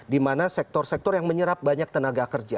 di mana sektor sektor yang menyerap banyak tenaga kerja